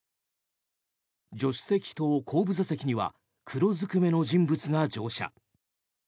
助手席と後部座席には黒ずくめの人物が乗車。